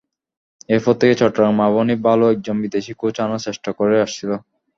এরপর থেকেই চট্টগ্রাম আবাহনী ভালো একজন বিদেশি কোচ আনার চেষ্টা করে আসছিল।